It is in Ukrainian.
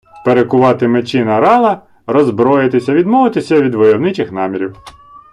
Перекувати мечі на рала - роззброїтися, відмовитися від войовничих намірів